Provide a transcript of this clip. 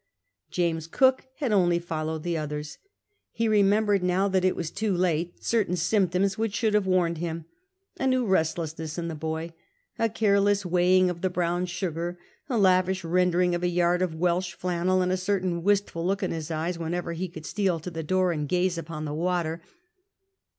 James Cook had only followed the otliers. He remembered, now tliat it was too late, certain symptoms wdiich should have warned him a new i*estlessness in the boy, a careless weighing of the brown sugar, a lavish rendering of a yard of Welsh flannel, and a certain wustful look in bis eyes whenever he could steal to the door and gaze upon ilie water.